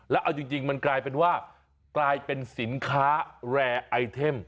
และจริงเนี่ยมันกลายเป็นว่าสินค้าแรร์ไอเทม